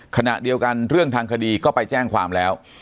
ขณะเดียวกันเรื่องทางคดีก็ไปแจ้งความแล้ว